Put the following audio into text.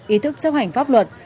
ý thức chấp hành pháp luật